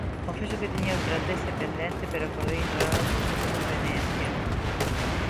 Confeso que tiña outra tese pendente pero acordei ignorala por mutua conveniencia.